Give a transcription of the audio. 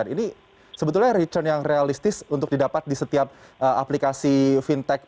ini sebetulnya return yang realistis untuk didapat di setiap aplikasi fintech p dua p gak sih